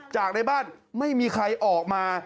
จากในบ้านไม่มีใครออกมา